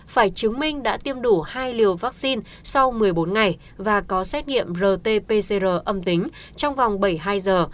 phải chứng minh đã tiêm đủ hai liều vaccine sau một mươi bốn ngày và có xét nghiệm rt pcr âm tính trong vòng bảy mươi hai giờ